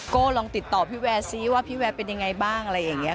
ก็ลองติดต่อพี่แวร์ซิว่าพี่แวร์เป็นยังไงบ้างอะไรอย่างนี้ค่ะ